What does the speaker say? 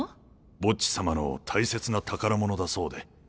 ボッジ様の大切な宝物だそうで。